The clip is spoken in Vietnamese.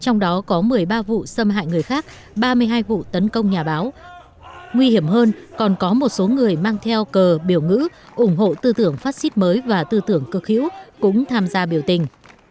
nguy hiểm hơn còn có một số người mang theo cờ biểu ngữ ủng hộ tư tưởng phát xít mới và tư tưởng cực hữu cũng tham gia biểu tình